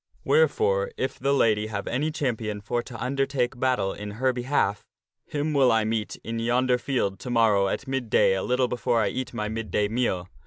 Wherefore, if the lady have any champion for to under take battle in her behalf, him will I meet in yonder field to morrow at mid day a little before I eat my mid day meal.